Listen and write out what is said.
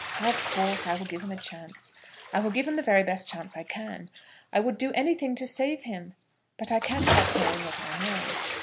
"Of course, I will give him a chance. I will give him the very best chance I can. I would do anything to save him, but I can't help knowing what I know."